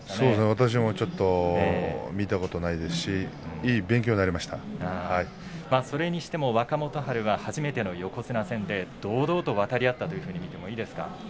私も、ちょっと見たことないですしそれにしても若元春は初めて横綱戦で、堂々と渡り合ったと見ていいですか。